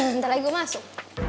nanti lagi gue masuk